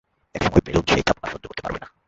এক সময় বেলুন সেই চাপ আর সহ্য করতে পারবে না।